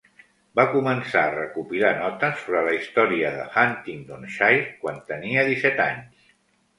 Va començar a recopilar notes sobre la història de Huntingdonshire quan tenia disset anys.